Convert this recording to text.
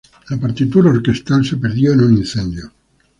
La partitura orquestal se perdió en un incendio.